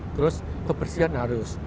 terus kebersihan harus